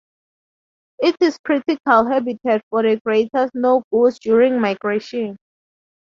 It is critical habitat for the greater snow goose during migration.